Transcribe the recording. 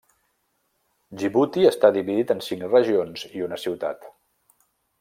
Djibouti està dividit en cinc regions i una ciutat.